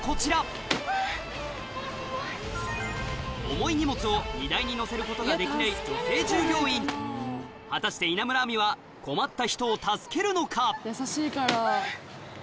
重い荷物を荷台に載せることができない女性従業員果たして稲村亜美は困った人を助けるのか？